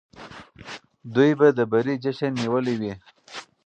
دوی به د بري جشن نیولی وي.